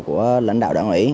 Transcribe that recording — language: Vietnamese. của lãnh đạo đảng ủy